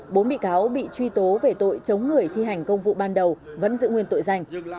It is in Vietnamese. bốn bị cáo bị truy tố về tội chống người thi hành công vụ ban đầu vẫn giữ nguyên tội danh